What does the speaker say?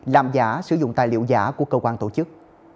làm giả sử dụng tài liệu giả của cơ quan tổ chức